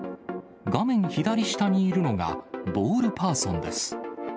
画面左下にいるのが、ボールパーソンです。